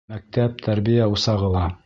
Мәктәп — тәрбиә усағы ла.